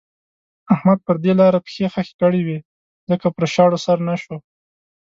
احمد پر دې لاره پښې خښې کړې وې ځکه پر شاړو سر نه شو.